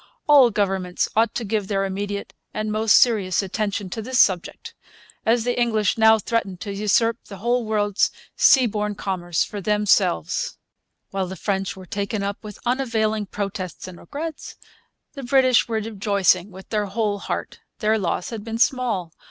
All governments ought to give their immediate and most serious attention to this subject, as the English now threaten to usurp the whole world's seaborne commerce for themselves. While the French were taken up with unavailing protests and regrets the British were rejoicing with their whole heart. Their loss had been small.